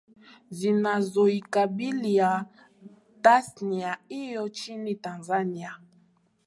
zinazoikabilia tasnia hiyo nchini Tanzania